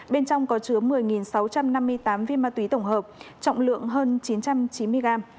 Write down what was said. bên trong có chứa một mươi sáu trăm năm mươi tám viên ma túy tổng hợp trọng lượng hơn chín trăm chín mươi gram